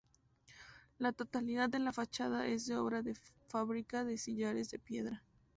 La totalidad de la fachada es de obra de fábrica de sillares de piedra.